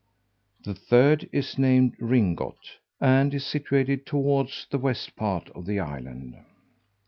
The third is named Ringot, and is situate towards the west part of the island.